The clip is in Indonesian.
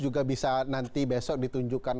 juga bisa nanti besok ditunjukkan